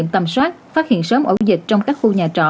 tầm soát phát hiện sớm ổ dịch trong các khu nhà trọ